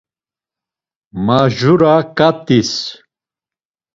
Majura ǩatis.